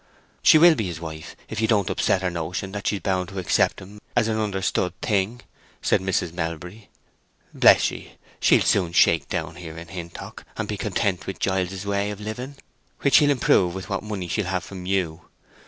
"She will be his wife if you don't upset her notion that she's bound to accept him as an understood thing," said Mrs. Melbury. "Bless ye, she'll soon shake down here in Hintock, and be content with Giles's way of living, which he'll improve with what money she'll have from you.